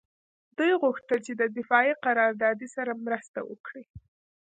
دوی غوښتل چې د دفاعي قراردادي سره مرسته وکړي